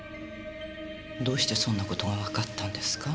どうしてそんな事がわかったんですか？